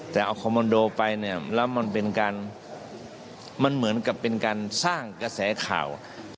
แต่เอาคอมมันโดไปเนี่ยแล้วมันเป็นการมันเหมือนกับเป็นการสร้างกระแสข่าว